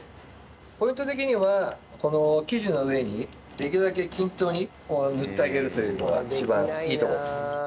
ポイント的にはこの生地の上にできるだけ均等に塗ってあげるというのが一番いいところ。